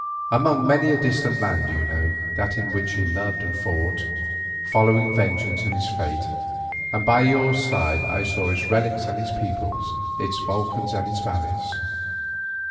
Among many a distant land you know that in which he loved and fought, following vengeance and his fate, and by your side I saw its relics and its peoples, its volcans and its valleys.